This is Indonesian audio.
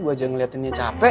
gue aja ngeliatinnya capek